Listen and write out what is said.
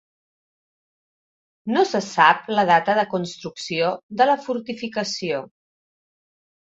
No se sap la data de construcció de la fortificació.